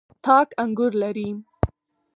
تاک انګور لري.